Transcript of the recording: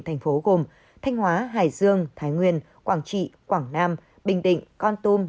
thành phố gồm thanh hóa hải dương thái nguyên quảng trị quảng nam bình định con tum